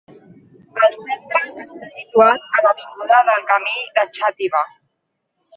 El centre està situat a l'avinguda del Camí de Xàtiva.